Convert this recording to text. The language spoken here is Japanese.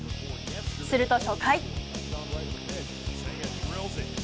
すると初回。